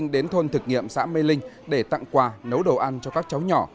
đến thôn thực nghiệm xã mê linh để tặng quà nấu đồ ăn cho các cháu nhỏ